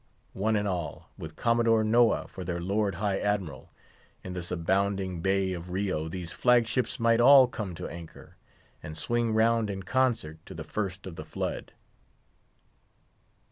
one and all, with Commodore Noah for their Lord High Admiral—in this abounding Bay of Rio these flag ships might all come to anchor, and swing round in concert to the first of the flood.